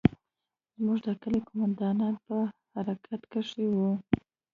زموږ د کلي قومندان په حرکت کښې و.